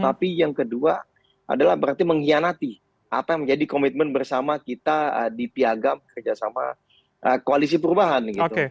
tapi yang kedua adalah berarti mengkhianati apa yang menjadi komitmen bersama kita di piagam kerjasama koalisi perubahan gitu